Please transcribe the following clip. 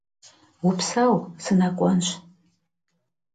Vupseu, sınek'uenş.